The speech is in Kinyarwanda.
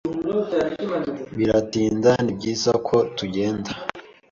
Biratinda, nibyiza ko tugenda.